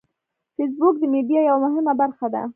فېسبوک د میډیا یوه مهمه برخه ده